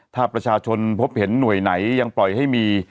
ถ้าประชาชนพบเห็นหน่วยไหนยังปล่อยให้มี